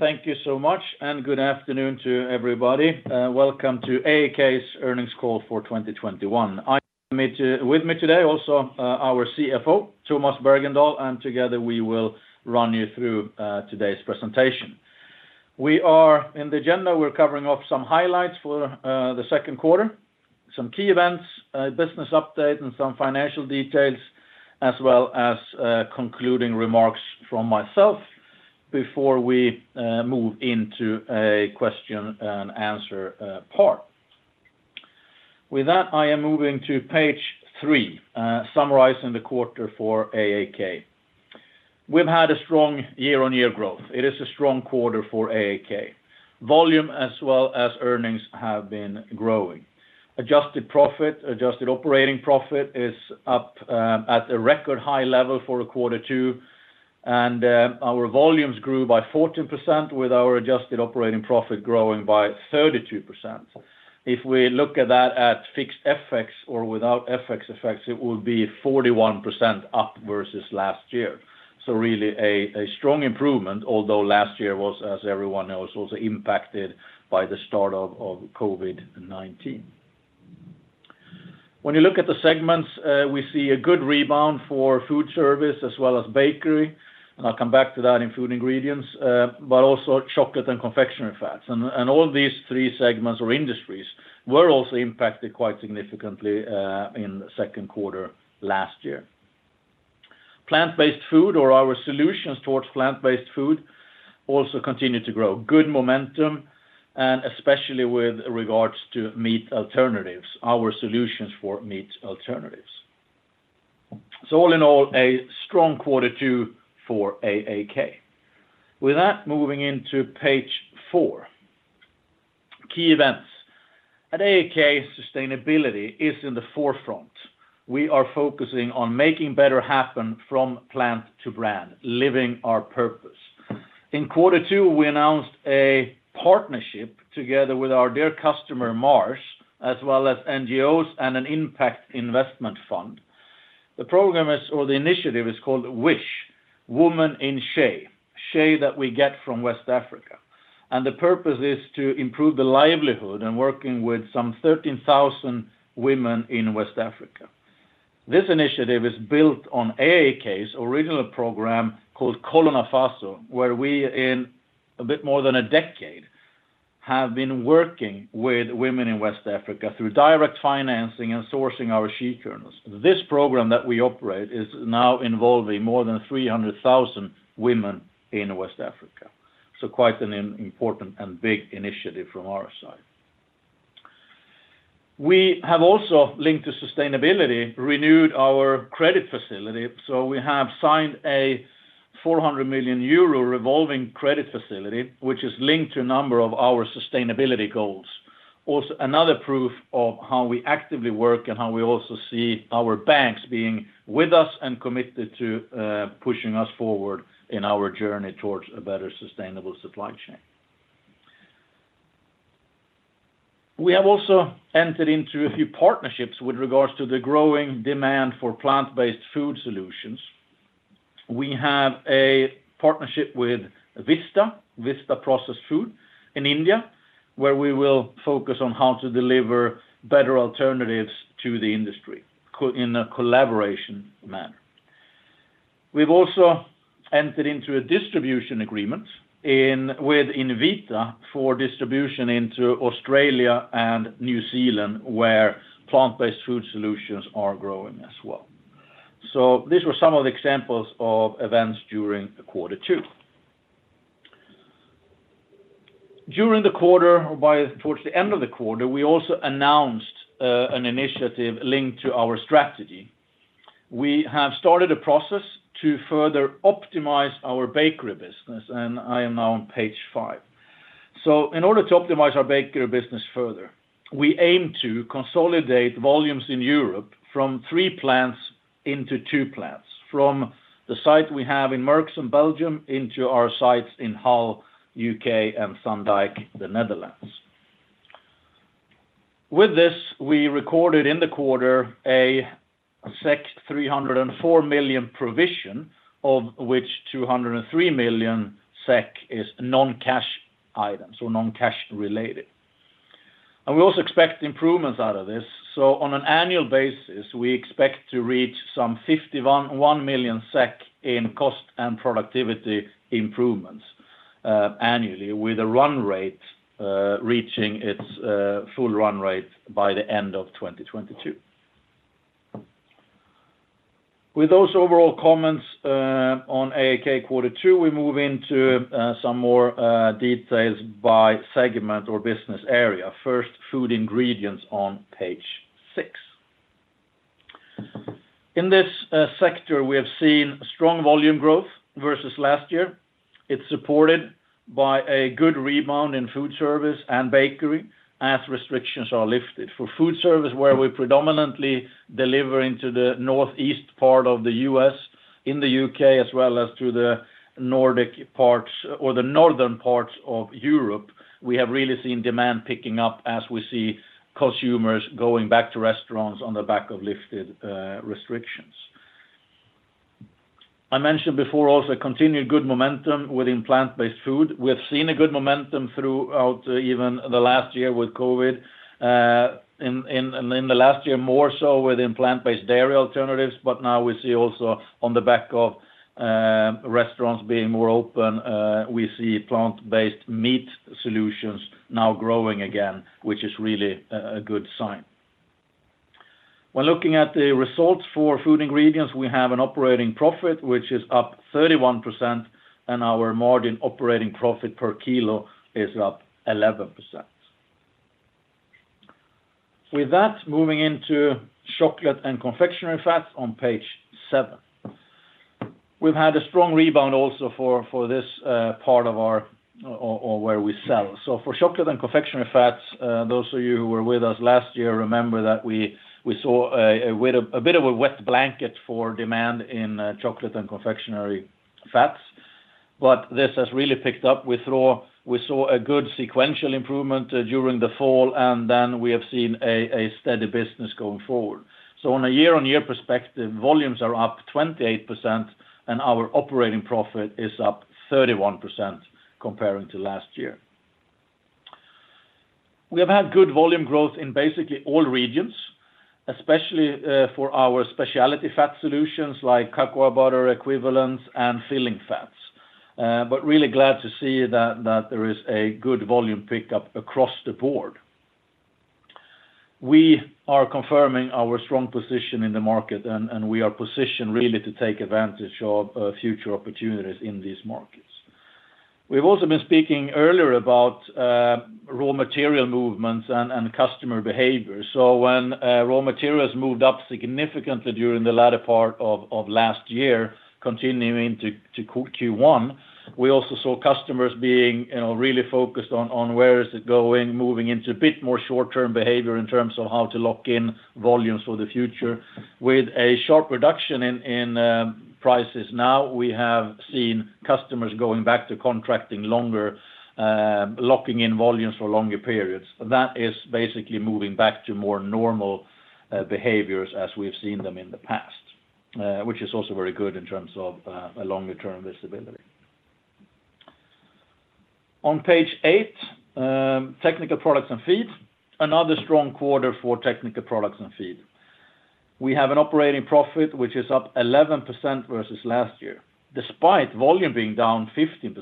Thank you so much. Good afternoon to everybody. Welcome to AAK's earnings call for 2021. With me today, also our CFO, Tomas Bergendahl, and together we will run you through today's presentation. In the agenda, we're covering off some highlights for the second quarter, some key events, a business update, and some financial details, as well as concluding remarks from myself before we move into a question and answer part. With that, I am moving to page three, summarizing the quarter for AAK. We've had a strong year-on-year growth. It is a strong quarter for AAK. Volume as well as earnings have been growing. Adjusted profit, adjusted operating profit is up at a record high level for a quarter two, and our volumes grew by 14% with our adjusted operating profit growing by 32%. If we look at that at fixed FX or without FX effects, it will be 41% up versus last year. Really a strong improvement, although last year was, as everyone knows, also impacted by the start of COVID-19. When you look at the segments, we see a good rebound for food service as well as bakery, and I'll come back to that in Food Ingredients, but also Chocolate & Confectionery Fats. All these three segments or industries were also impacted quite significantly in the second quarter last year. Plant-based food, or our solutions towards plant-based food, also continue to grow. Good momentum, especially with regards to meat alternatives, our solutions for meat alternatives. All in all, a strong quarter two for AAK. With that, moving into page four, key events. At AAK, sustainability is in the forefront. We are focusing on making better happen from plant to brand, living our purpose. In quarter two, we announced a partnership together with our dear customer, Mars, as well as NGOs and an impact investment fund. The initiative is called WISH, Women In Shea, shea that we get from West Africa. The purpose is to improve the livelihood and working with some 13,000 women in West Africa. This initiative is built on AAK's original program called Kolo Nafaso, where we, in a bit more than a decade, have been working with women in West Africa through direct financing and sourcing our shea kernels. This program that we operate is now involving more than 300,000 women in West Africa, so quite an important and big initiative from our side. We have also, linked to sustainability, renewed our credit facility. We have signed a 400 million euro revolving credit facility, which is linked to a number of our sustainability goals. Another proof of how we actively work and how we also see our banks being with us and committed to pushing us forward in our journey towards a better sustainable supply chain. We have also entered into a few partnerships with regards to the growing demand for plant-based food solutions. We have a partnership with Vista Processed Foods in India, where we will focus on how to deliver better alternatives to the industry in a collaboration manner. We've also entered into a distribution agreement with Invita for distribution into Australia and New Zealand, where plant-based food solutions are growing as well. These were some of the examples of events during the quarter two. Towards the end of the quarter, we also announced an initiative linked to our strategy. We have started a process to further optimize our bakery business. I am now on page five. In order to optimize our bakery business further, we aim to consolidate volumes in Europe from three plants into two plants, from the site we have in Merksplas, Belgium, into our sites in Hull, U.K., and Zaandam, the Netherlands. With this, we recorded in the quarter a 304 million provision, of which 203 million SEK is non-cash items, non-cash related. We also expect improvements out of this. On an annual basis, we expect to reach some 51 million SEK in cost and productivity improvements annually, with a run rate reaching its full run rate by the end of 2022. With those overall comments on AAK quarter two, we move into some more details by segment or business area. First, Food Ingredients on page six. In this sector, we have seen strong volume growth versus last year. It is supported by a good rebound in food service and bakery as restrictions are lifted. For food service, where we are predominantly delivering to the northeast part of the U.S., in the U.K., as well as to the northern parts of Europe, we have really seen demand picking up as we see consumers going back to restaurants on the back of lifted restrictions. I mentioned before also continued good momentum within plant-based food. We have seen a good momentum throughout even the last year with COVID and in the last year, more so within plant-based dairy alternatives. Now we see also on the back of restaurants being more open, we see plant-based meat solutions now growing again, which is really a good sign. When looking at the results for Food Ingredients, we have an operating profit which is up 31%, and our margin operating profit per kilo is up 11%. With that, moving into Chocolate & Confectionery Fats on page seven. We've had a strong rebound also for this part of where we sell. For Chocolate & Confectionery Fats, those of you who were with us last year, remember that we saw a bit of a wet blanket for demand in Chocolate & Confectionery Fats, but this has really picked up. We saw a good sequential improvement during the fall, and then we have seen a steady business going forward. On a year-on-year perspective, volumes are up 28% and our operating profit is up 31% comparing to last year. We have had good volume growth in basically all regions, especially for our specialty fat solutions like cocoa butter equivalents, and filling fats. Really glad to see that there is a good volume pickup across the board. We are confirming our strong position in the market, and we are positioned really to take advantage of future opportunities in these markets. We've also been speaking earlier about raw material movements and customer behavior. When raw materials moved up significantly during the latter part of last year, continuing into Q1, we also saw customers being really focused on where is it going, moving into a bit more short-term behavior in terms of how to lock in volumes for the future. With a sharp reduction in prices now, we have seen customers going back to contracting longer, locking in volumes for longer periods. That is basically moving back to more normal behaviors as we've seen them in the past, which is also very good in terms of a longer-term visibility. On page eight, Technical Products & Feed. Another strong quarter for Technical Products & Feed. We have an operating profit, which is up 11% versus last year, despite volume being down 15%.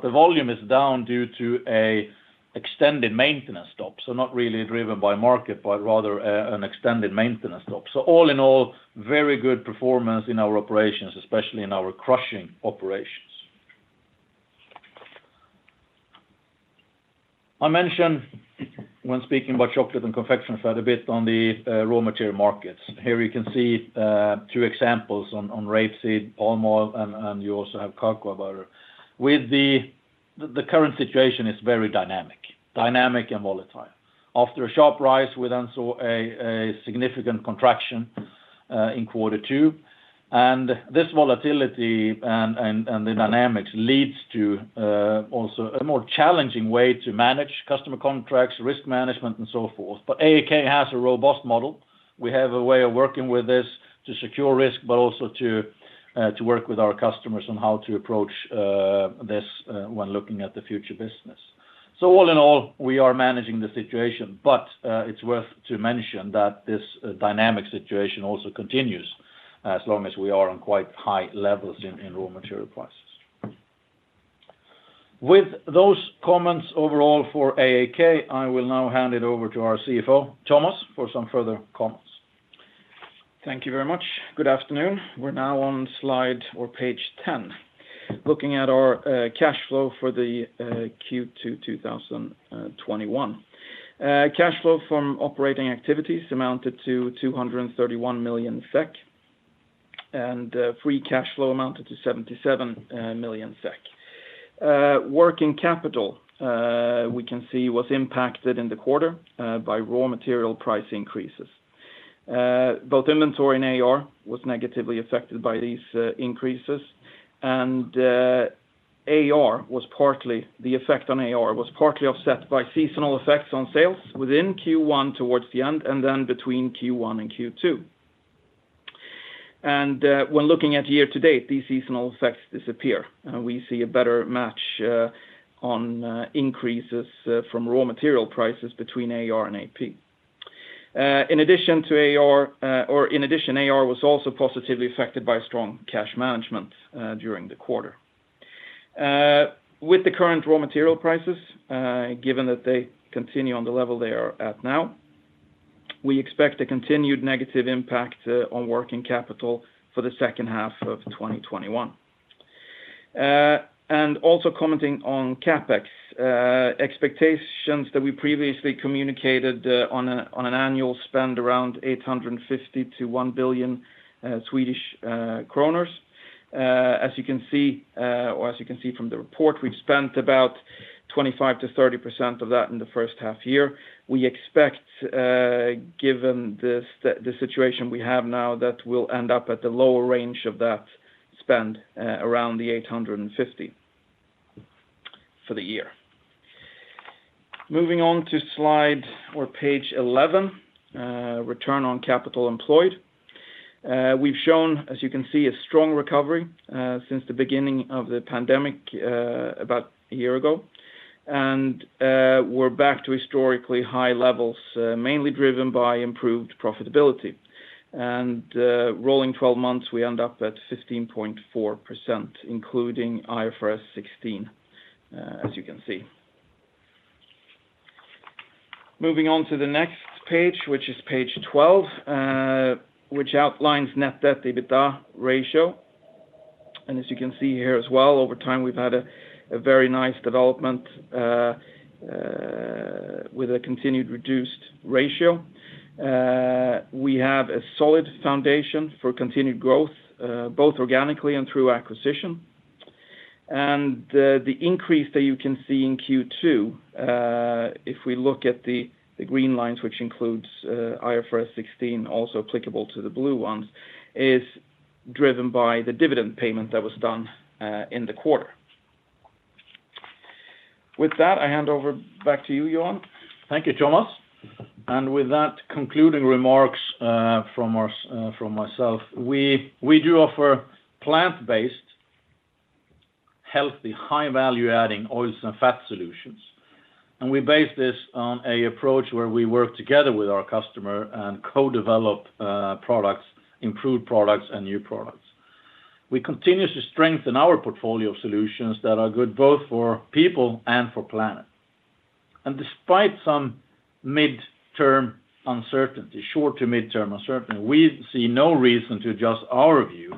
The volume is down due to an extended maintenance stop. Not really driven by market, but rather an extended maintenance stop. All in all, very good performance in our operations, especially in our crushing operations. I mentioned when speaking about Chocolate & Confectionery Fats, a bit on the raw material markets. Here you can see two examples on rapeseed, palm oil, and you also have cocoa butter. The current situation is very dynamic and volatile. After a sharp rise, we then saw a significant contraction in quarter two. This volatility and the dynamics leads to also a more challenging way to manage customer contracts, risk management, and so forth. AAK has a robust model. We have a way of working with this to secure risk, but also to work with our customers on how to approach this when looking at the future business. All in all, we are managing the situation, but it's worth to mention that this dynamic situation also continues as long as we are on quite high levels in raw material prices. With those comments overall for AAK, I will now hand it over to our CFO, Tomas for some further comments. Thank you very much. Good afternoon. We're now on slide or page 10, looking at our cash flow for the Q2 2021. Cash flow from operating activities amounted to 231 million SEK, and free cash flow amounted to 77 million SEK. Working capital, we can see, was impacted in the quarter by raw material price increases. Both inventory and AR was negatively affected by these increases, and the effect on AR was partly offset by seasonal effects on sales within Q1 towards the end and then between Q1 and Q2. When looking at year to date, these seasonal effects disappear, and we see a better match on increases from raw material prices between AR and AP. In addition, AR was also positively affected by strong cash management during the quarter. With the current raw material prices, given that they continue on the level they are at now, we expect a continued negative impact on working capital for the second half of 2021. Also commenting on CapEx, expectations that we previously communicated on an annual spend around 850 million-1 billion Swedish kronor. As you can see from the report, we've spent about 25%-30% of that in the first half year. We expect, given the situation we have now, that we'll end up at the lower range of that spend, around 850 million for the year. Moving on to slide or page 11, return on capital employed. We've shown, as you can see, a strong recovery since the beginning of the pandemic about a year ago. We're back to historically high levels, mainly driven by improved profitability. Rolling 12 months, we end up at 15.4%, including IFRS 16, as you can see. Moving on to the next page, which is page 12, which outlines net debt to EBITDA ratio. As you can see here as well, over time, we've had a very nice development with a continued reduced ratio. We have a solid foundation for continued growth, both organically and through acquisition. The increase that you can see in Q2, if we look at the green lines, which includes IFRS 16, also applicable to the blue ones, is driven by the dividend payment that was done in the quarter. With that, I hand over back to you Johan. Thank you Tomas. With that, concluding remarks from myself. We do offer plant-based, healthy, high-value adding oils and fat solutions, and we base this on an approach where we work together with our customer and co-develop products, improve products, and new products. We continue to strengthen our portfolio of solutions that are good both for people and for planet. Despite some short to midterm uncertainty, we see no reason to adjust our view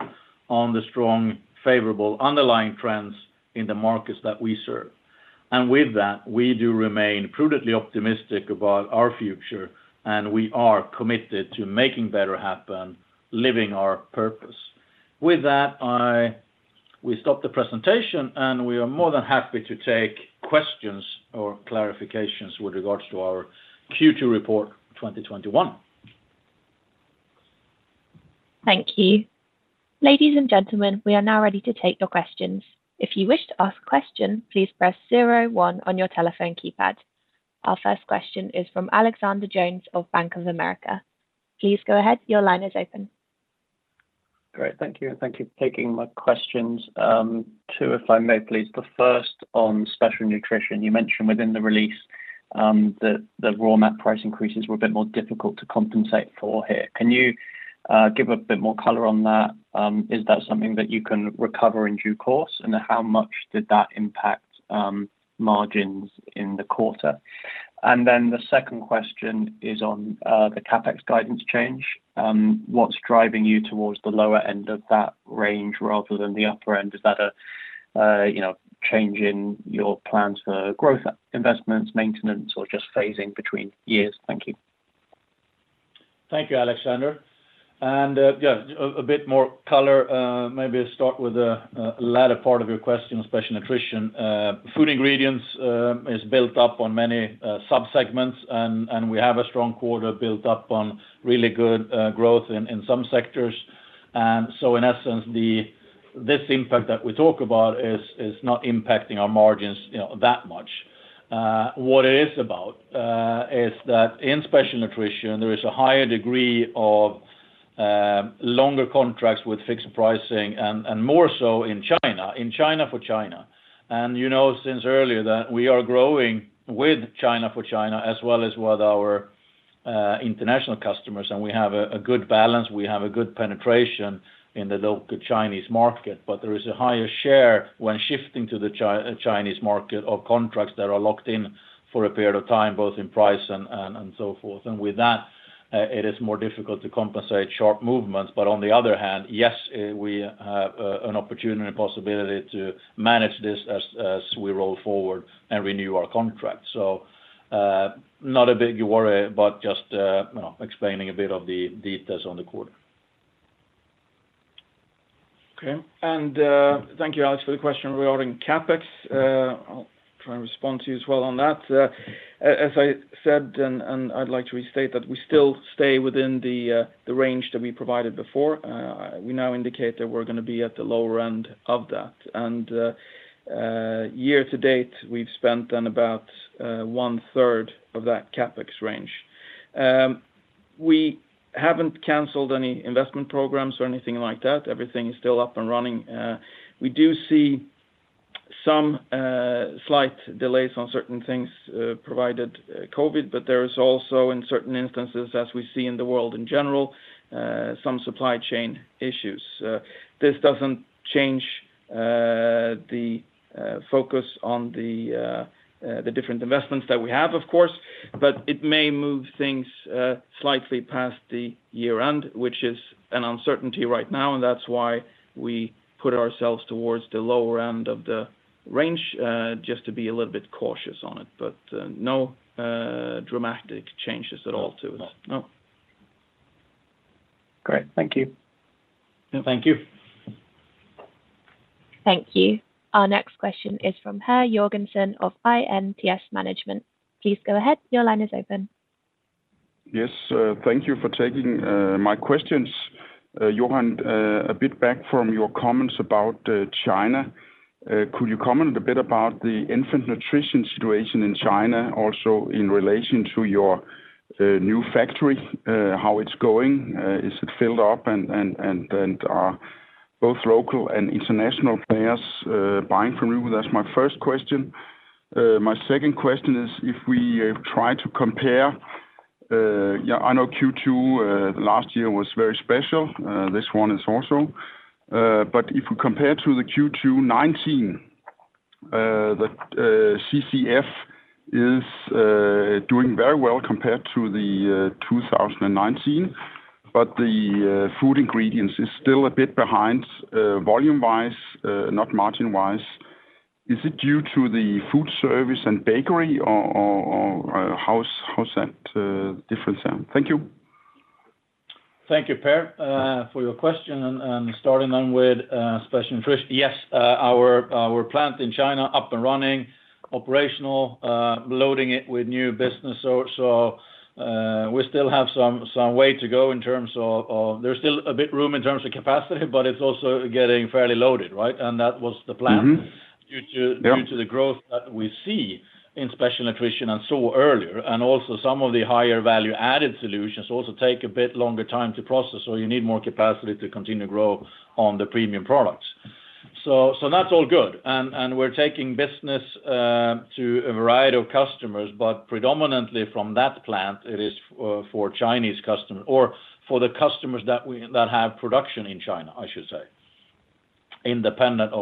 on the strong, favorable underlying trends in the markets that we serve. With that, we do remain prudently optimistic about our future, and we are committed to making better happen, living our purpose. With that, we stop the presentation, and we are more than happy to take questions or clarifications with regards to our Q2 report 2021. Thank you. Ladies and gentlemen we are now ready to take your questions. If you wish to ask a question, please press zero one on your telephone keypad. Our first question is from Alexander Jones of Bank of America. Please go ahead. Your line is open. Great. Thank you and thank you for taking my questions. Two, if I may please, first on Special Nutrition. You mentioned within the release that the raw material price increases were a bit more difficult to compensate for here. Can you give a bit more color on that? Is that something that you can recover in due course? How much did that impact margins in the quarter? The second question is on the CapEx guidance change. What's driving you towards the lower end of that range rather than the upper end? Is that a change in your plans for growth investments, maintenance, or just phasing between years? Thank you. Thank you Alexander. Yeah, a bit more color, maybe I start with the latter part of your question on Special Nutrition. Food Ingredients is built up on many sub-segments, and we have a strong quarter built up on really good growth in some sectors. In essence, this impact that we talk about is not impacting our margins that much. What it is about is that in Special Nutrition, there is a higher degree of longer contracts with fixed pricing and more so in China for China. You know since earlier that we are growing with China for China, as well as with our international customers, and we have a good balance. We have a good penetration in the local Chinese market. There is a higher share when shifting to the Chinese market of contracts that are locked in for a period of time, both in price and so forth. With that, it is more difficult to compensate sharp movements, but on the other hand, yes, we have an opportunity and possibility to manage this as we roll forward and renew our contracts. Not a big worry but just explaining a bit of the details on the quarter. Okay. Thank you Alexander for the question regarding CapEx. I'll try and respond to you as well on that. As I said, and I'd like to restate that we still stay within the range that we provided before. We now indicate that we're going to be at the lower end of that. Year-to-date, we've spent on about 1/3 of that CapEx range. We haven't canceled any investment programs or anything like that. Everything is still up and running. We do see some slight delays on certain things provided COVID, but there is also, in certain instances, as we see in the world in general, some supply chain issues. This doesn't change the focus on the different investments that we have, of course, but it may move things slightly past the year-end, which is an uncertainty right now, and that's why we put ourselves towards the lower end of the range, just to be a little bit cautious on it. No dramatic changes at all to it. No. Great. Thank you. Thank you. Thank you. Our next question is from Per Jorgensen of INTS Management. Please go ahead. Your line is open. Yes. Thank you for taking my questions. Johan, a bit back from your comments about China, could you comment a bit about the infant nutrition situation in China also in relation to your new factory? How it's going? Is it filled up, and are both local and international players buying from you? That's my first question. My second question is if we try to compare, I know Q2 last year was very special. This one is also. If we compare to the Q2 2019, the CCF is doing very well compared to the 2019, but the Food Ingredients is still a bit behind volume-wise not margin-wise. Is it due to the food service and bakery or how's that difference? Thank you. Thank you Per for your question and starting then with Special Nutrition. Yes, our plant in China up and running, operational, loading it with new business. We still have some way to go. There's still a bit room in terms of capacity, but it's also getting fairly loaded, right? That was the plan. Mm-hmm. Yeah. due to the growth that we see in Special Nutrition and saw earlier, and also some of the higher value-added solutions also take a bit longer time to process, so you need more capacity to continue to grow on the premium products. That's all good, and we're taking business to a variety of customers, but predominantly from that plant, it is for Chinese customers or for the customers that have production in China, I should say. Yeah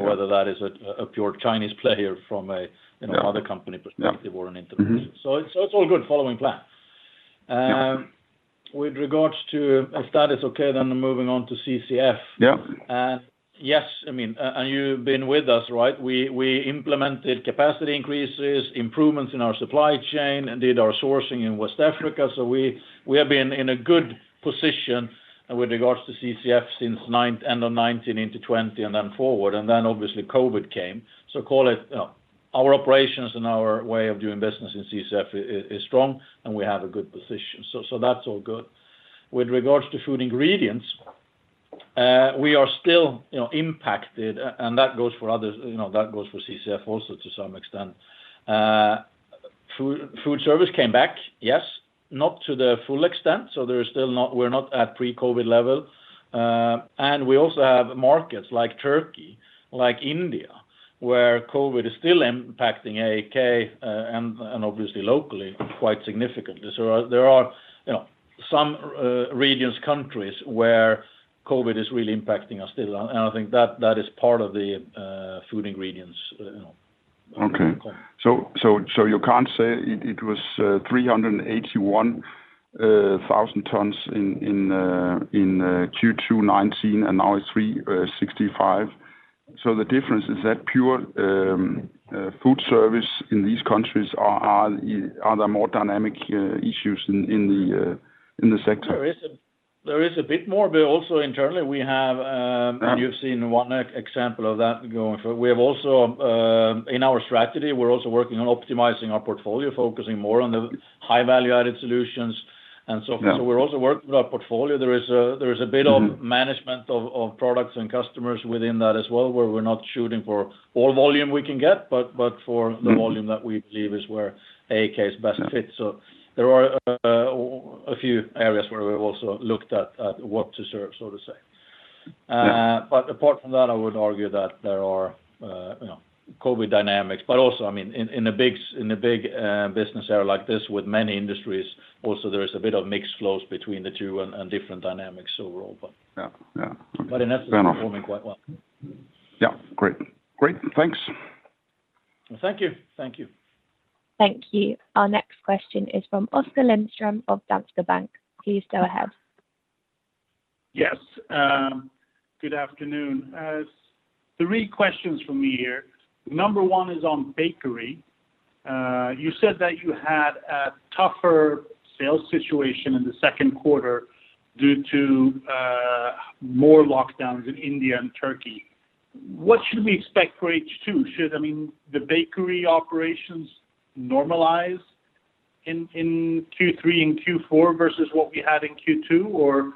whether that is a pure Chinese player from. Yeah Another company perspective or an international. It's all good. Following plan. Yeah. With regards to, if that is okay, then moving on to CCF. Yeah. Yes and you've been with us, right? We implemented capacity increases, improvements in our supply chain and did our sourcing in West Africa. We have been in a good position with regards to CCF since end of 2019 into 2020 and then forward, and then obviously COVID came. Our operations and our way of doing business in CCF is strong, and we have a good position. That's all good. With regards to Food Ingredients, we are still impacted, and that goes for others, that goes for CCF also to some extent. Food service came back, yes. Not to the full extent, so we're not at pre-COVID level. We also have markets like Turkey, like India, where COVID is still impacting AAK, and obviously locally quite significantly. There are some regions, countries where COVID is really impacting us still, and I think that is part of the Food Ingredients. Okay. You can't say it was 381,000 tons in Q2 2019 and now it's 365. The difference, is that pure food service in these countries? Are there more dynamic issues in the sector? There is a bit more, but also internally you've seen one example of that going forward. In our strategy, we're also working on optimizing our portfolio, focusing more on the high value-added solutions and so forth. Yeah. We're also working with our portfolio. There is a bit of management of products and customers within that as well, where we're not shooting for all volume we can get, but for the volume that we believe is where AAK's best fit. There are a few areas where we've also looked at what to serve, so to say. Yeah. Apart from that, I would argue that there are COVID dynamics, but also, in a big business area like this with many industries, also there is a bit of mixed flows between the two and different dynamics overall. Yeah. Okay. But in essence- Fair enough. We're performing quite well. Yeah. Great. Thanks. Thank you. Thank you. Our next question is from Oskar Lindström of Danske Bank. Please go ahead. Yes. Good afternoon. Three questions from me here. Number one is on bakery. You said that you had a tougher sales situation in the second quarter due to more lockdowns in India and Turkey. What should we expect for H2? Should the bakery operations normalize in Q3 and Q4 versus what we had in Q2?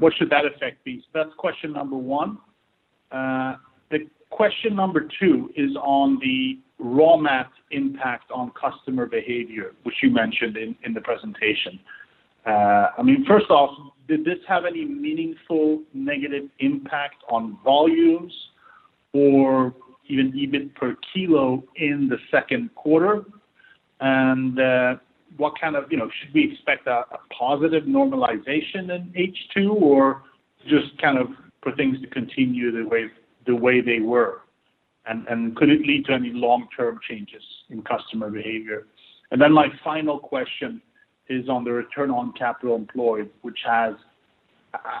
What should that effect be? That's question number one. The question number two is on the raw mat impact on customer behavior, which you mentioned in the presentation. First off, did this have any meaningful negative impact on volumes or even EBIT per kilo in the second quarter? Should we expect a positive normalization in H2 or just for things to continue the way they were? Could it lead to any long-term changes in customer behavior? My final question is on the return on capital employed, which has,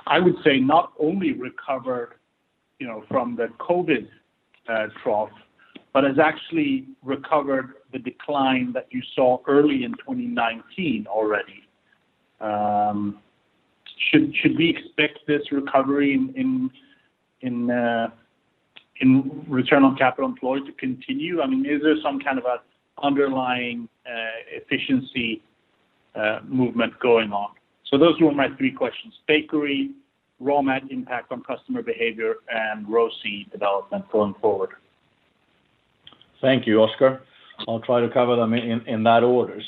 I would say, not only recovered from the COVID trough but has actually recovered the decline that you saw early in 2019 already. Should we expect this recovery in return on capital employed to continue? Is there some kind of underlying efficiency movement going on? Those were my three questions: bakery, raw mat impact on customer behavior, and ROCE development going forward. Thank you Oscar. I'll try to cover them in that order.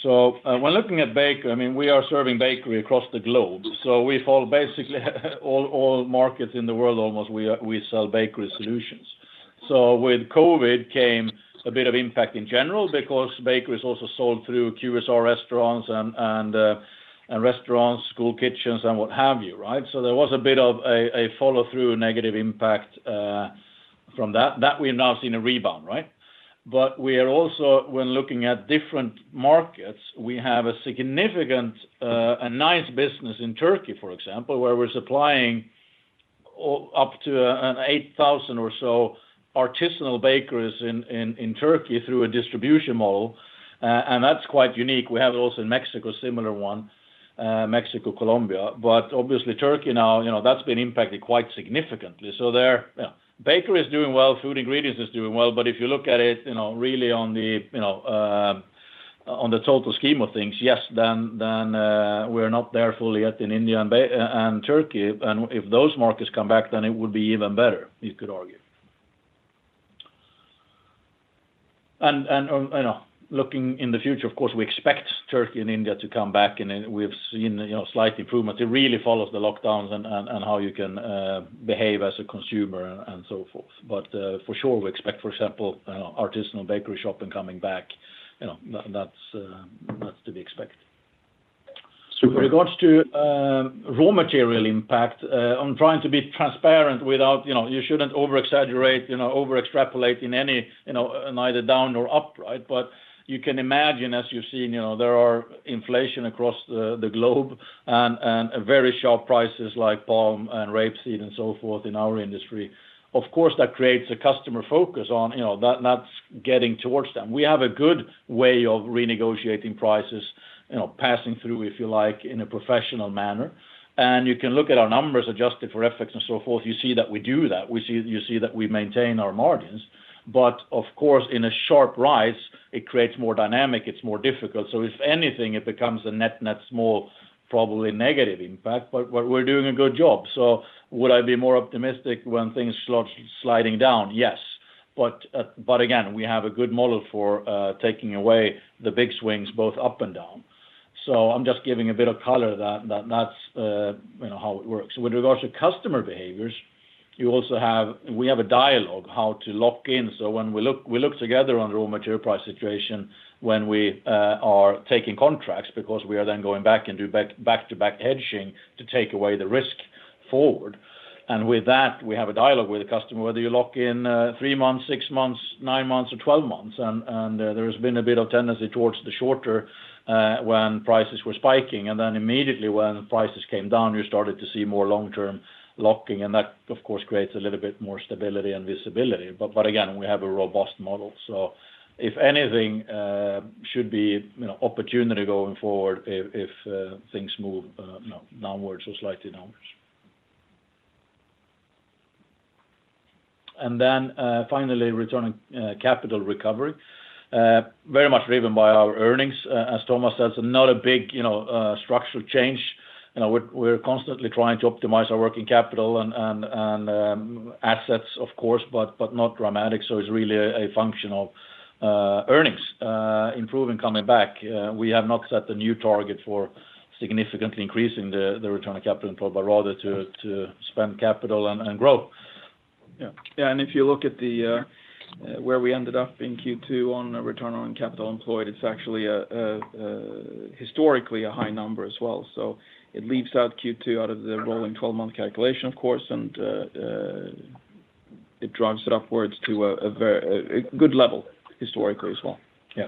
When looking at bakery, we are serving bakery across the globe. We fall basically all markets in the world almost, we sell bakery solutions. With COVID came a bit of impact in general, because bakery is also sold through QSR restaurants and restaurants, school kitchens, and what have you. There was a bit of a follow-through negative impact from that. That we have now seen a rebound. We're also, when looking at different markets, we have a significant, a nice business in Turkey, for example, where we're supplying up to 8,000 or so artisanal bakeries in Turkey through a distribution model. That's quite unique. We have it also in Mexico, similar one, Mexico, Colombia, but obviously Turkey now, that's been impacted quite significantly. There, bakery is doing well, Food Ingredients is doing well, but if you look at it really on the total scheme of things, yes, then we're not there fully yet in India and Turkey. If those markets come back, then it would be even better, you could argue. Looking in the future, of course, we expect Turkey and India to come back, and we've seen slight improvements. It really follows the lockdowns and how you can behave as a consumer and so forth. For sure, we expect, for example, artisanal bakery shopping coming back. That's to be expected. Super. With regards to raw material impact, I'm trying to be transparent. You shouldn't over-exaggerate, over-extrapolate in neither down nor up. You can imagine, as you've seen, there are inflation across the globe and very sharp prices like palm and rapeseed and so forth in our industry. Of course, that creates a customer focus on, that's getting towards them. We have a good way of renegotiating prices, passing through, if you like, in a professional manner. You can look at our numbers adjusted for FX and so forth. You see that we do that. You see that we maintain our margins. Of course, in a sharp rise, it creates more dynamic, it's more difficult. If anything, it becomes a net small, probably negative impact. We're doing a good job. Would I be more optimistic when things start sliding down? Yes. Again, we have a good model for taking away the big swings both up and down. I'm just giving a bit of color that that's how it works. With regards to customer behaviors, we have a dialogue how to lock in. We look together on the raw material price situation when we are taking contracts, because we are then going back and do back-to-back hedging to take away the risk forward. With that, we have a dialogue with the customer, whether you lock in 3 months, 6 months, 9 months, or 12 months. There has been a bit of tendency towards the shorter, when prices were spiking. Immediately when prices came down, you started to see more long-term locking. That, of course, creates a little bit more stability and visibility. Again, we have a robust model, so if anything should be an opportunity going forward if things move downwards or slightly downwards. Finally, return on capital recovery. Very much driven by our earnings. As Tomas says, not a big structural change. We're constantly trying to optimize our working capital and assets, of course, but not dramatic. It's really a function of earnings improving, coming back. We have not set a new target for significantly increasing the return on capital employed, but rather to spend capital and grow. Yeah. If you look at where we ended up in Q2 on return on capital employed, it's actually historically a high number as well. It leaves out Q2 out of the rolling 12-month calculation, of course, and it drives it upwards to a good level historically as well. Yeah.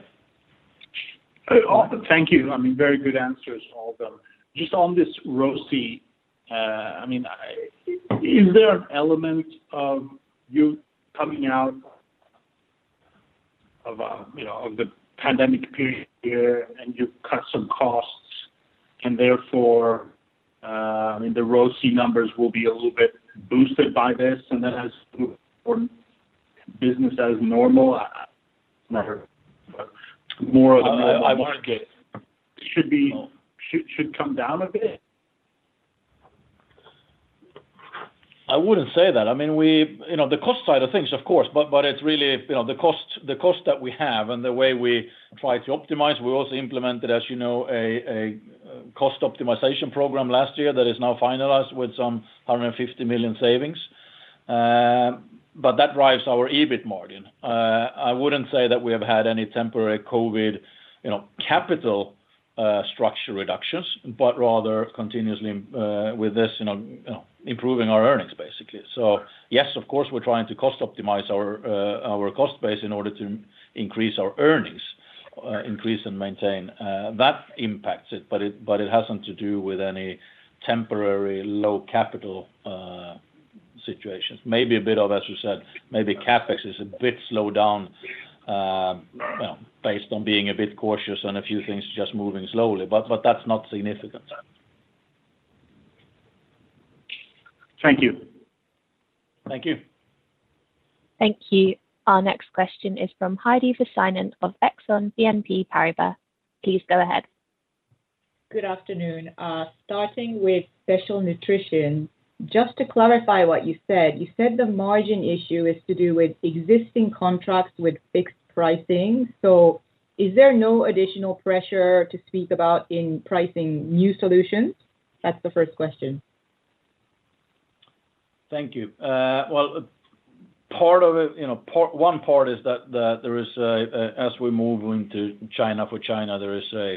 Awesome. Thank you. Very good answers all of them. Just on this ROCE, is there an element of you coming out of the pandemic period here and you cut some costs and therefore, the ROCE numbers will be a little bit boosted by this, and then as business as normal, I don't know? I wouldn't market should come down a bit? I wouldn't say that. The cost side of things, of course. It's really the cost that we have and the way we try to optimize. We also implemented, as you know, a cost optimization program last year that is now finalized with some 150 million savings. That drives our EBIT margin. I wouldn't say that we have had any temporary COVID capital structure reductions, but rather continuously with this, improving our earnings, basically. Yes, of course, we're trying to cost optimize our cost base in order to increase our earnings, increase and maintain. That impacts it, but it hasn't to do with any temporary low capital situations. Maybe a bit of, as you said, maybe CapEx is a bit slowed down based on being a bit cautious on a few things just moving slowly, but that's not significant. Thank you. Thank you. Thank you. Our next question is from Heidi Vesterinen of Exane BNP Paribas. Please go ahead. Good afternoon. Starting with Special Nutrition, just to clarify what you said, you said the margin issue is to do with existing contracts with fixed pricing. Is there no additional pressure to speak about in pricing new solutions? That's the first question. Thank you. One part is that as we move into China for China, there is a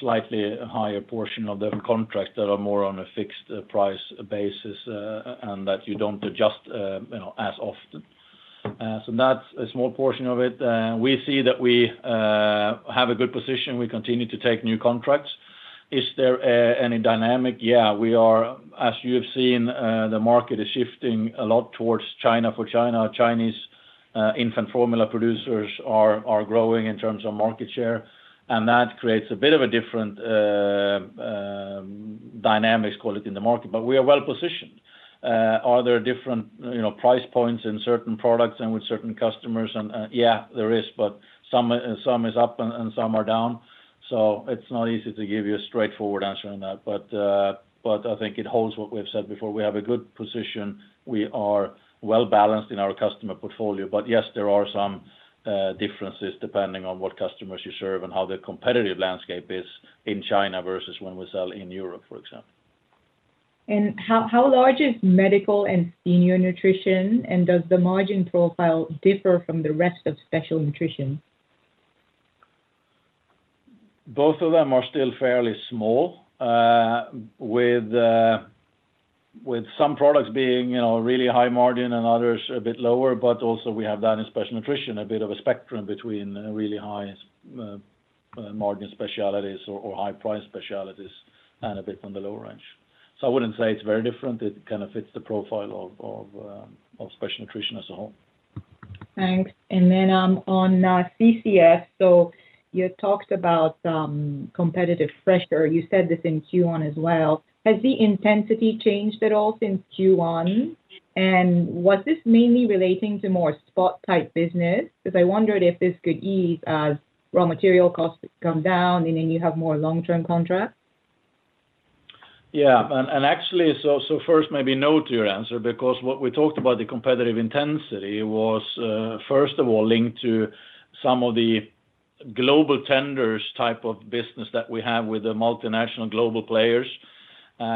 slightly higher portion of the contracts that are more on a fixed-price basis, and that you don't adjust as often. That's a small portion of it. We see that we have a good position. We continue to take new contracts. Is there any dynamic? Yeah. As you have seen, the market is shifting a lot towards China for China. Chinese infant formula producers are growing in terms of market share, and that creates a bit of a different dynamics, call it, in the market. We are well-positioned. Are there different price points in certain products and with certain customers? Yeah, there is, but some is up and some are down, so it's not easy to give you a straightforward answer on that. I think it holds what we've said before. We have a good position. We are well-balanced in our customer portfolio. Yes, there are some differences depending on what customers you serve and how the competitive landscape is in China versus when we sell in Europe, for example. How large is medical and senior nutrition, and does the margin profile differ from the rest of Special Nutrition? Both of them are still fairly small, with some products being really high margin and others a bit lower. Also we have that in Special Nutrition, a bit of a spectrum between really high margin specialties or high price specialties, and a bit on the lower end. I wouldn't say it's very different. It fits the profile of Special Nutrition as a whole. Thanks. On CCF, you talked about competitive pressure. You said this in Q1 as well. Has the intensity changed at all since Q1? Was this mainly relating to more spot type business? I wondered if this could ease as raw material costs come down and then you have more long-term contracts. Yeah. Actually, so first maybe no to your answer, because what we talked about the competitive intensity was, first of all, linked to some of the global tenders type of business that we have with the multinational global players. We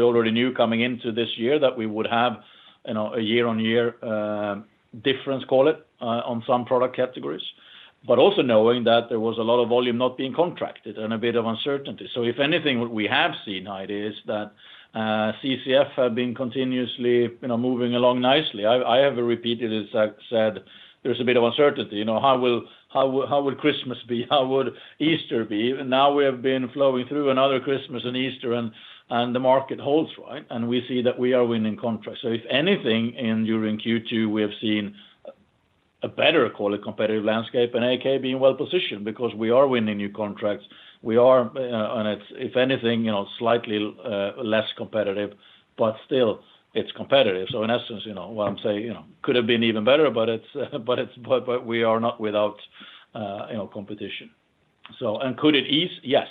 already knew coming into this year that we would have a year-on-year difference, call it, on some product categories. Also knowing that there was a lot of volume not being contracted and a bit of uncertainty. If anything, what we have seen, Heidi, is that CCF have been continuously moving along nicely. I have repeatedly said there's a bit of uncertainty. How will Christmas be? How would Easter be? We have been flowing through another Christmas and Easter and the market holds, right? We see that we are winning contracts. If anything during Q2, we have seen a better, call it, competitive landscape and AAK being well-positioned because we are winning new contracts. We are, if anything, slightly less competitive, still it's competitive. In essence, what I'm saying, could have been even better, we are not without competition. Could it ease? Yeah.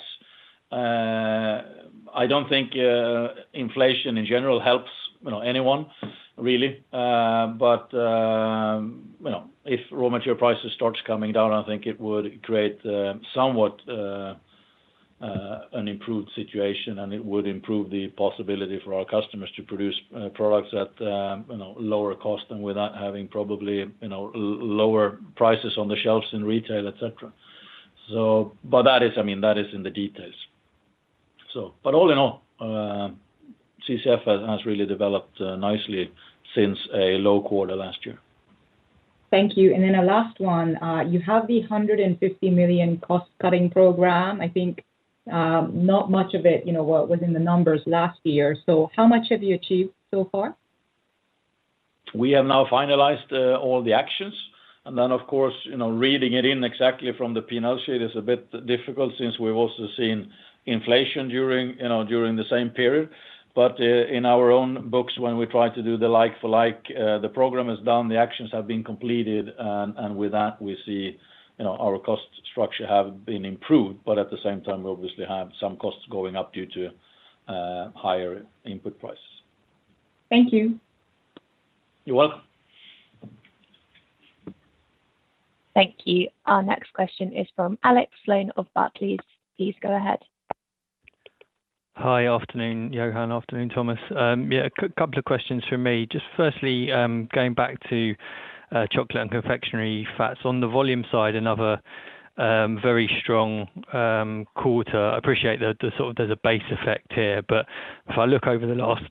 I don't think inflation in general helps anyone really. If raw material prices starts coming down, I think it would create somewhat an improved situation, it would improve the possibility for our customers to produce products at lower cost and without having probably lower prices on the shelves in retail et cetera. That is in the details. All in all, CCF has really developed nicely since a low quarter last year. Thank you. A last one. You have the 150 million cost-cutting program. I think not much of it was in the numbers last year. How much have you achieved so far? We have now finalized all the actions. Of course, reading it in exactly from the P&L sheet is a bit difficult since we've also seen inflation during the same period. In our own books, when we try to do the like for like, the program is done, the actions have been completed, and with that we see our cost structure have been improved, at the same time, we obviously have some costs going up due to higher input prices. Thank you. You're welcome. Thank you. Our next question is from Alex Sloane of Barclays. Please go ahead. Hi. Afternoon Johan. Afternoon Tomas. Yeah, a couple of questions from me. Just firstly, going back to Chocolate & Confectionery Fats. On the volume side, another very strong quarter. I appreciate there's a base effect here, but if I look over the last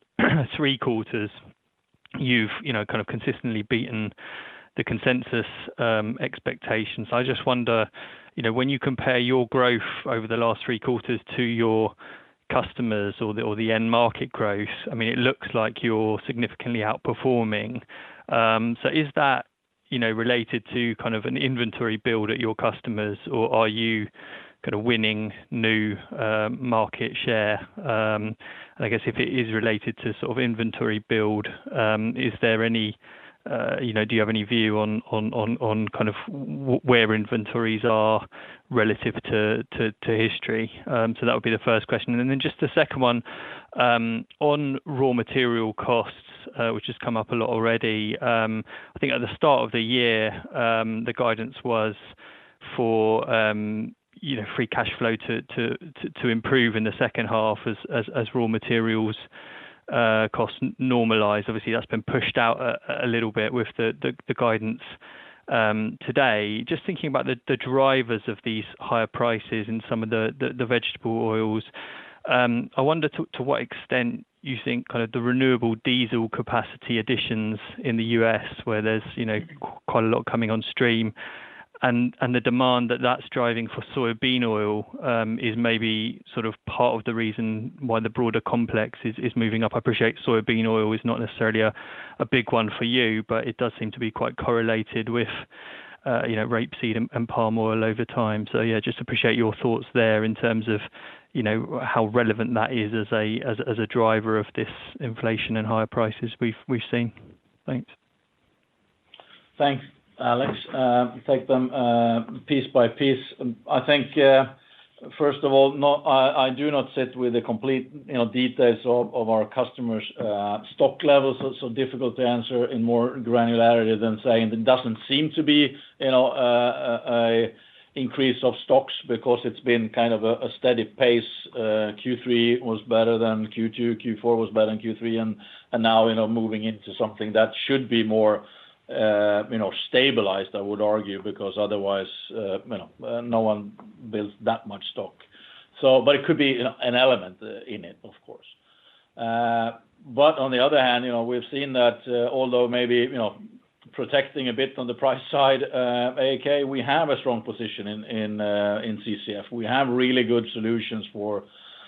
three quarters, you've consistently beaten the consensus expectations. I just wonder, when you compare your growth over the last three quarters to your customers or the end market growth, it looks like you're significantly outperforming. Is that related to an inventory build at your customers, or are you winning new market share? I guess if it is related to inventory build, do you have any view on where inventories are relative to history? That would be the first question. Just the second one, on raw material costs, which has come up a lot already. I think at the start of the year, the guidance was for free cash flow to improve in the second half as raw materials costs normalize. Obviously, that's been pushed out a little bit with the guidance today. Just thinking about the drivers of these higher prices in some of the vegetable oils, I wonder to what extent you think the renewable diesel capacity additions in the U.S., where there's quite a lot coming on stream, and the demand that that's driving for soybean oil is maybe part of the reason why the broader complex is moving up. I appreciate soybean oil is not necessarily a big one for you, but it does seem to be quite correlated with rapeseed and palm oil over time. Yeah, just appreciate your thoughts there in terms of how relevant that is as a driver of this inflation and higher prices we've seen. Thanks. Thanks Alex. Take them piece by piece. I think, first of all, I do not sit with the complete details of our customers' stock levels, so difficult to answer in more granularity than saying there doesn't seem to be an increase of stocks because it's been kind of a steady pace. Q3 was better than Q2, Q4 was better than Q3, and now, moving into something that should be more stabilized, I would argue, because otherwise no one builds that much stock. It could be an element in it, of course. On the other hand, we've seen that although maybe protecting a bit on the price side, AAK, we have a strong position in CCF. We have really good solutions for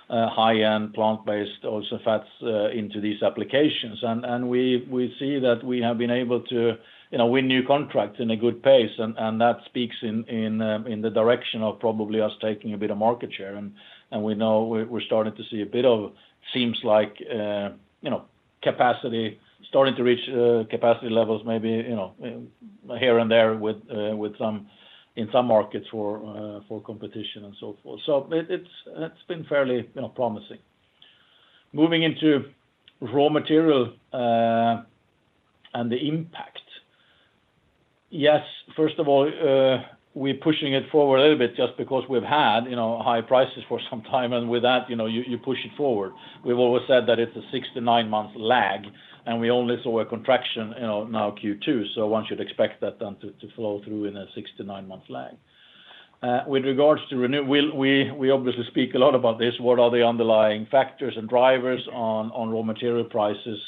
high-end plant-based oils and fats into these applications. We see that we have been able to win new contracts in a good pace, and that speaks in the direction of probably us taking a bit of market share. We know we're starting to see a bit of seems like capacity starting to reach capacity levels, maybe here and there in some markets for competition and so forth. It's been fairly promising. Moving into raw material and the impact. Yes, first of all, we're pushing it forward a little bit just because we've had high prices for some time, and with that, you push it forward. We've always said that it's a 6 to 9-month lag, and we only saw a contraction now Q2, so one should expect that then to flow through in a 6 to 9-month lag. We obviously speak a lot about this, what are the underlying factors and drivers on raw material prices.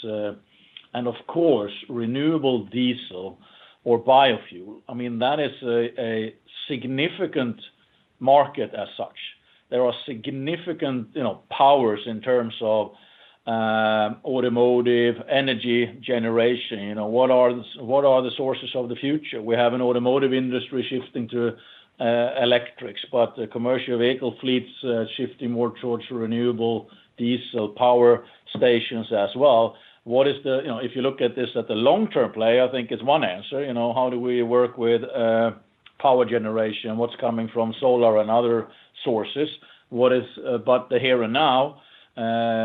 Of course, renewable diesel or biofuel, that is a significant market as such. There are significant powers in terms of automotive energy generation. What are the sources of the future? We have an automotive industry shifting to electrics, but the commercial vehicle fleet's shifting more towards renewable diesel power stations as well. If you look at this at the long-term play, I think it's one answer. How do we work with power generation? What's coming from solar and other sources? The here and now,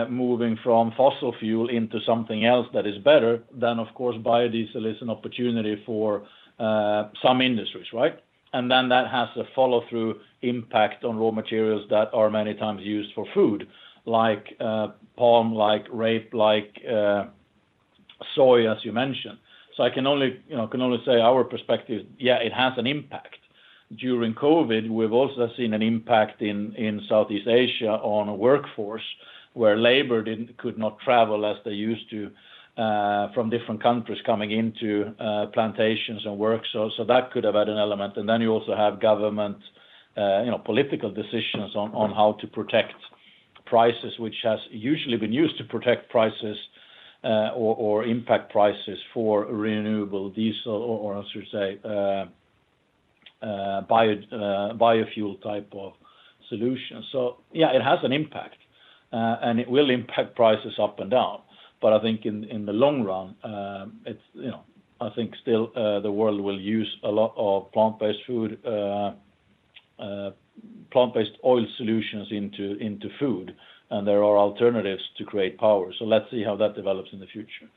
moving from fossil fuel into something else that is better, then of course, biodiesel is an opportunity for some industries, right? That has a follow-through impact on raw materials that are many times used for food like palm, like rape, like soy, as you mentioned. I can only say our perspective, yeah, it has an impact. During COVID, we’ve also seen an impact in Southeast Asia on workforce, where labor could not travel as they used to from different countries coming into plantations and work. That could have had an element. You also have government political decisions on how to protect prices, which has usually been used to protect prices or impact prices for renewable diesel, or I should say, biofuel type of solution. Yeah, it has an impact, and it will impact prices up and down. I think in the long run, I think still the world will use a lot of plant-based food, plant-based oil solutions into food, and there are alternatives to create power. Let's see how that develops in the future.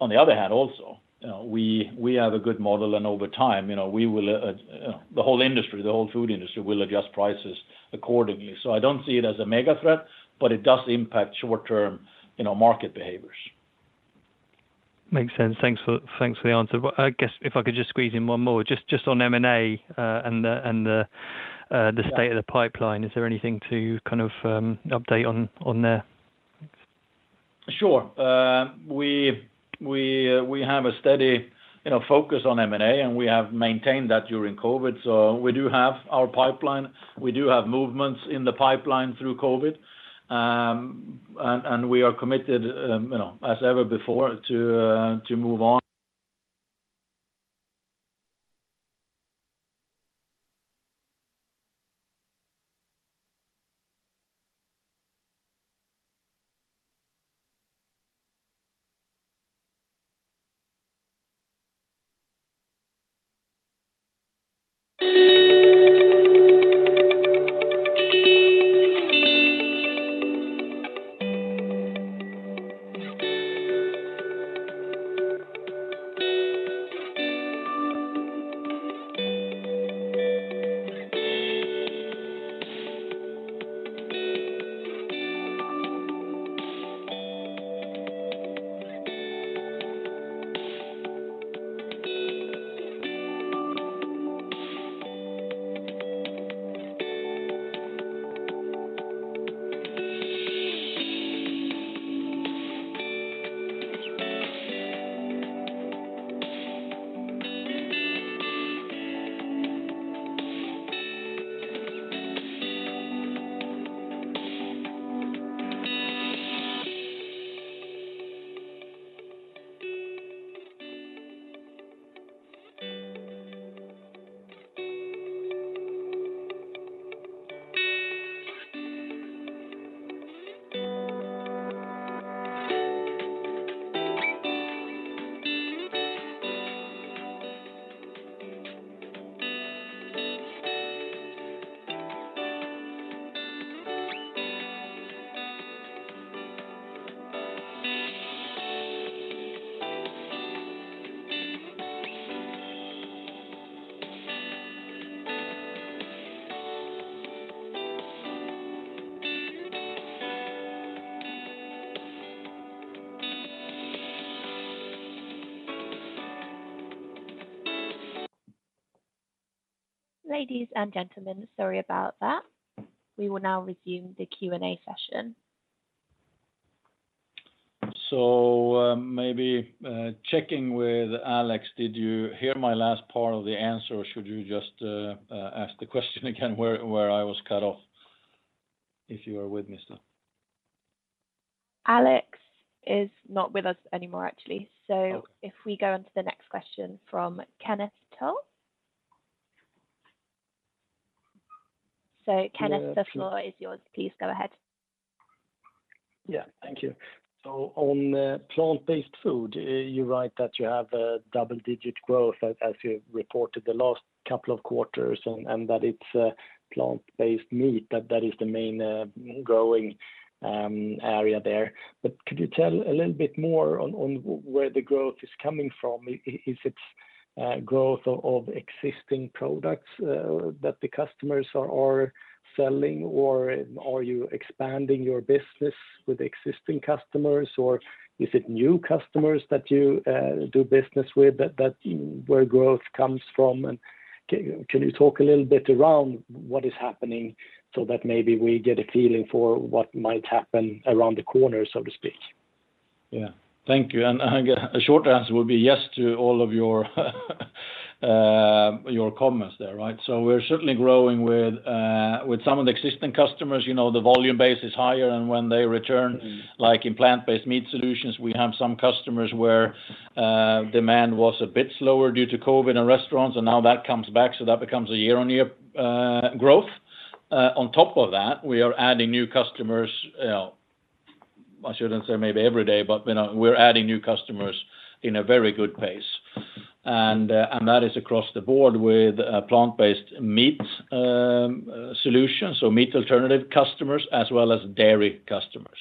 On the other hand, also, we have a good model, and over time, the whole industry, the whole food industry will adjust prices accordingly. I don't see it as a mega threat, but it does impact short-term market behaviors. Makes sense. Thanks for the answer. I guess if I could just squeeze in one more, just on M&A and the state of the pipeline, is there anything to update on there? Sure. We have a steady focus on M&A, and we have maintained that during COVID. We do have our pipeline, we do have movements in the pipeline through COVID, and we are committed as ever before to move on. Ladies and gentlemen sorry about that. We will now resume the Q&A session. Maybe checking with Alex, did you hear my last part of the answer, or should you just ask the question again where I was cut off? If you are with me still. Alex is not with us anymore actually. If we go on to the next question from Kenneth Toll. Kenneth, the floor is yours. Please go ahead. Yeah, thank you. On plant-based food, you write that you have double-digit growth as you reported the last couple of quarters, and that it's plant-based meat, that is the main growing area there. Could you tell a little bit more on where the growth is coming from? Is it growth of existing products that the customers are selling, or are you expanding your business with existing customers, or is it new customers that you do business with where growth comes from? Can you talk a little bit around what is happening so that maybe we get a feeling for what might happen around the corner, so to speak? Yeah. Thank you. I think a short answer would be yes to all of your comments there. We're certainly growing with some of the existing customers. The volume base is higher, and when they return, like in plant-based meat solutions, we have some customers where demand was a bit slower due to COVID in restaurants, and now that comes back, so that becomes a year-on-year growth. On top of that, we are adding new customers, I shouldn't say maybe every day, but we're adding new customers in a very good pace. That is across the board with plant-based meat solutions, so meat alternative customers, as well as dairy customers.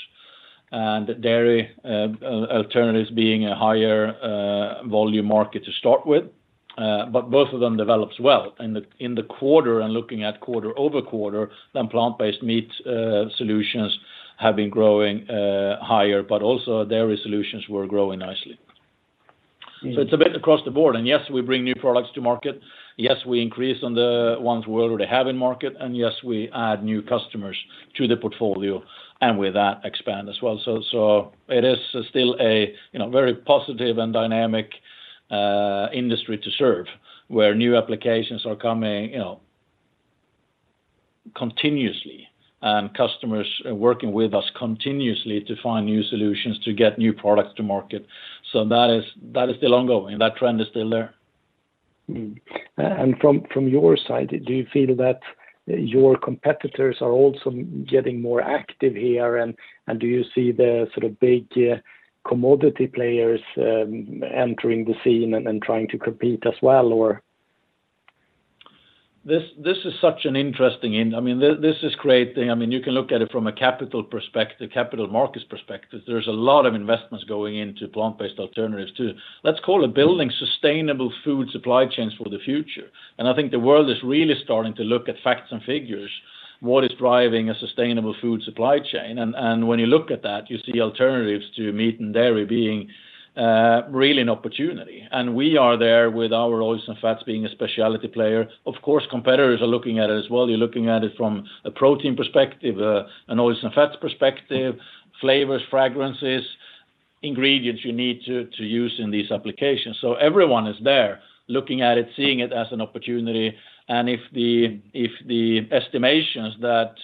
Dairy alternatives being a higher volume market to start with. Both of them develops well. In the quarter and looking at quarter-over-quarter, then plant-based meat solutions have been growing higher, but also dairy solutions were growing nicely. It's a bit across the board. Yes, we bring new products to market. Yes, we increase on the ones we already have in market. Yes, we add new customers to the portfolio, and with that expand as well. It is still a very positive and dynamic industry to serve, where new applications are coming continuously, and customers are working with us continuously to find new solutions to get new products to market. That is still ongoing. That trend is still there. Mm-hmm. From your side, do you feel that your competitors are also getting more active here? Do you see the big commodity players entering the scene and trying to compete as well? This is great. You can look at it from a capital markets perspective. There's a lot of investments going into plant-based alternatives, too. Let's call it building sustainable food supply chains for the future. I think the world is really starting to look at facts and figures. What is driving a sustainable food supply chain? When you look at that, you see alternatives to meat and dairy being really an opportunity. We are there with our oils and fats being a specialty player. Of course, competitors are looking at it as well. You're looking at it from a protein perspective, an oils and fats perspective, flavors, fragrances, ingredients you need to use in these applications. Everyone is there looking at it, seeing it as an opportunity. If the estimations that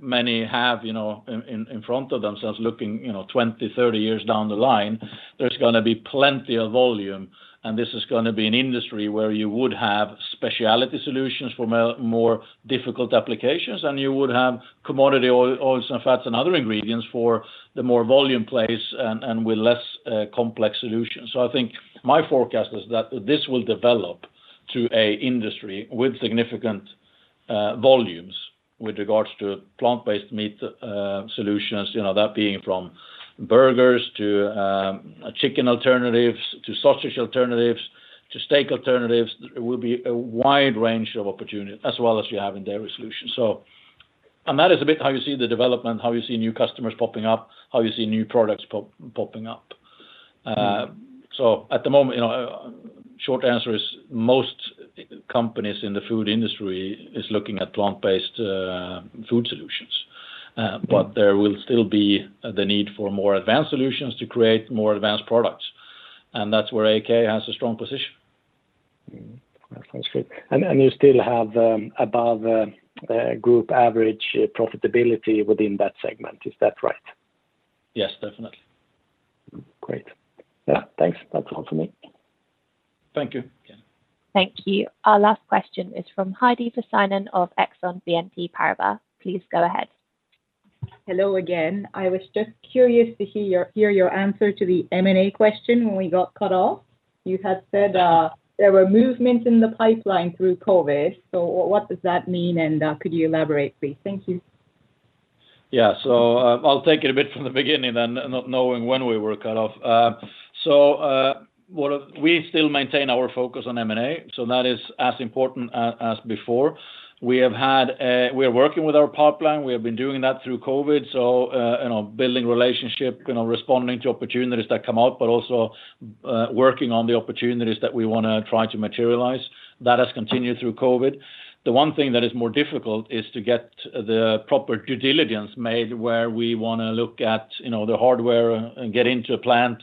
many have in front of themselves looking 20, 30 years down the line, there's going to be plenty of volume, and this is going to be an industry where you would have specialty solutions for more difficult applications, and you would have commodity oils and fats and other ingredients for the more volume plays and with less complex solutions. I think my forecast is that this will develop to an industry with significant volumes with regards to plant-based meat solutions, that being from burgers to chicken alternatives to sausage alternatives to steak alternatives. It will be a wide range of opportunities as well as you have in dairy solutions. That is a bit how you see the development, how you see new customers popping up, how you see new products popping up. At the moment, short answer is most companies in the food industry is looking at plant-based food solutions. There will still be the need for more advanced solutions to create more advanced products, and that's where AAK has a strong position. That is great. You still have above group average profitability within that segment. Is that right? Yes, definitely. Great. Yeah thanks. That's all for me. Thank you. Thank you. Our last question is from Heidi Vesterinen of Exane BNP Paribas. Please go ahead. Hello again. I was just curious to hear your answer to the M&A question when we got cut off. You had said there were movements in the pipeline through COVID. What does that mean, and could you elaborate, please? Thank you. Yeah. I'll take it a bit from the beginning then, not knowing when we were cut off. We still maintain our focus on M&A, that is as important as before. We are working with our pipeline. We have been doing that through COVID, building relationship, responding to opportunities that come up, also working on the opportunities that we want to try to materialize. That has continued through COVID. The one thing that is more difficult is to get the proper due diligence made where we want to look at the hardware, get into a plant,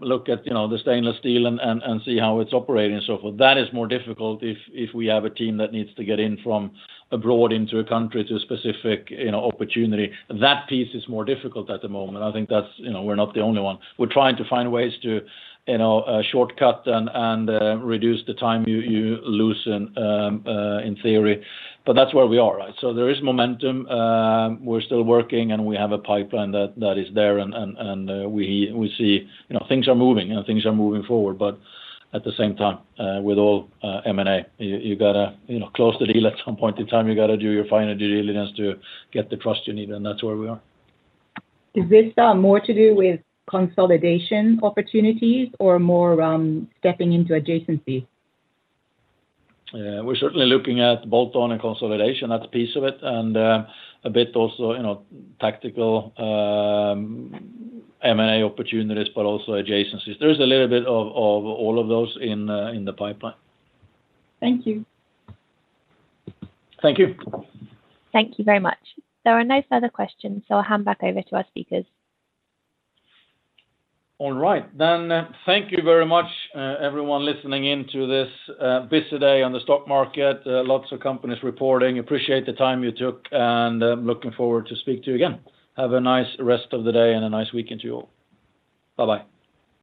look at the stainless steel and see how it's operating and so forth. That is more difficult if we have a team that needs to get in from abroad into a country to a specific opportunity. That piece is more difficult at the moment. I think we're not the only one. We're trying to find ways to shortcut and reduce the time you lose in theory. That's where we are. There is momentum. We're still working, and we have a pipeline that is there, and we see things are moving forward. At the same time, with all M&A, you got to close the deal at some point in time. You got to do your final due diligence to get the trust you need, and that's where we are. Is this more to do with consolidation opportunities or more stepping into adjacencies? We're certainly looking at bolt-on and consolidation, that's a piece of it. A bit also tactical M&A opportunities, but also adjacencies. There is a little bit of all of those in the pipeline. Thank you. Thank you. Thank you very much. There are no further questions. I'll hand back over to our speakers. All right, thank you very much everyone listening in to this busy day on the stock market. Lots of companies reporting. Appreciate the time you took, and looking forward to speak to you again. Have a nice rest of the day and a nice weekend to you all. Bye-bye.